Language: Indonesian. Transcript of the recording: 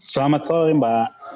selamat sore mbak